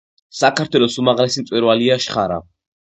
საქართველოს უმაღლესი მწვერვალია შხარა.